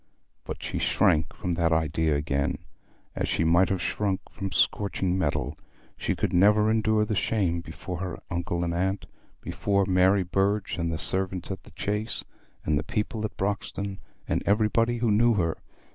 But she shrank from that idea again, as she might have shrunk from scorching metal. She could never endure that shame before her uncle and aunt, before Mary Burge, and the servants at the Chase, and the people at Broxton, and everybody who knew her.